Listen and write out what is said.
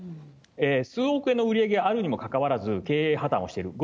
数億円の売り上げがあるにもかかわらず、経営破綻をしている。